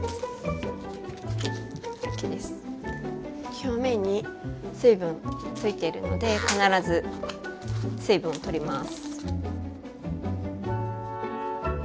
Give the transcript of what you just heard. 表面に水分ついてるので必ず水分を取ります。